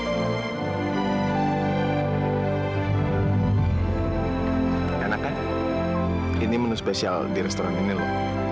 sampai jumpa di video selanjutnya